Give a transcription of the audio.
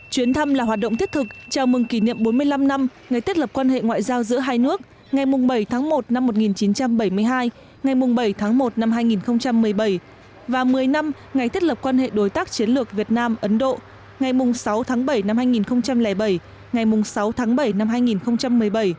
chuyến thăm là hoạt động thiết thực chào mừng kỷ niệm bốn mươi năm năm ngày thiết lập quan hệ ngoại giao giữa hai nước ngày bảy tháng một năm một nghìn chín trăm bảy mươi hai ngày bảy tháng một năm hai nghìn một mươi bảy và một mươi năm ngày thiết lập quan hệ đối tác chiến lược việt nam ấn độ ngày sáu tháng bảy năm hai nghìn bảy ngày sáu tháng bảy năm hai nghìn một mươi bảy